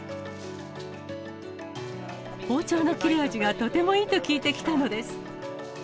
包丁の切れ味がとてもいいと聞いて来たのです。